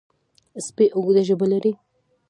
سپي اوږده ژبه لري.